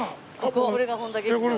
これが本多劇場で。